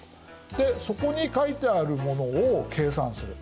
でそこに書いてあるものを計算する。